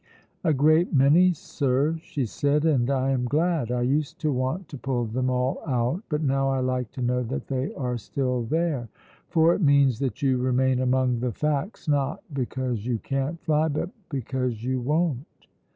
"A great many, sir," she said, "and I am glad. I used to want to pull them all out, but now I like to know that they are still there, for it means that you remain among the facts not because you can't fly, but because you won't."